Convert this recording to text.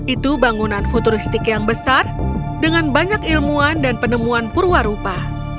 itu bangunan futuristik yang besar dengan banyak ilmuwan dan penemuan purwarupa